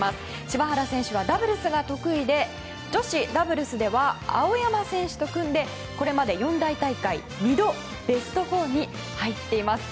柴原選手はダブルスが得意で女子ダブルスでは青山選手と組んでこれまで四大大会２度ベスト４に入っています。